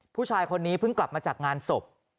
ผู้ชายคนนี้เพิ่งกลับมาจากงานศพ